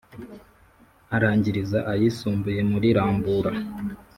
arangiriza ayisumbuye muri rambura